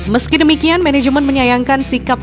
meski demikian manajemen menyayangkan sikap para pemain